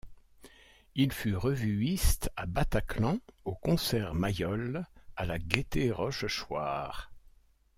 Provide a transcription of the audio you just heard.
Il fut revuiste à Bataclan, au Concert Mayol, à la Gaieté Rochechouart.